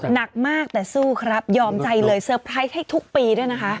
หนักมากแต่สู้ครับยอมใจเลยเซอร์ไพรส์ให้ทุกปีด้วยนะคะ